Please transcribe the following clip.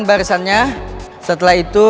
barisannya setelah itu